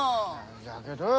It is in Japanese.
だけどよ